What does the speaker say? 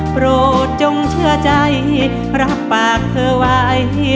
โปรดจงเชื่อใจรับปากเธอไว้